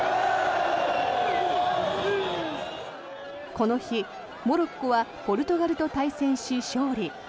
この日、モロッコはポルトガルと対戦し、勝利。